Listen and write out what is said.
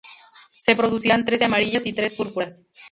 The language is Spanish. Se producirán trece amarillas y tres púrpuras.